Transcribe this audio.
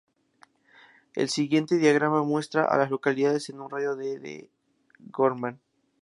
El siguiente diagrama muestra a las localidades en un radio de de Gorman.